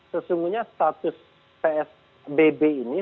sesungguhnya status psbb ini